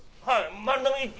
はい。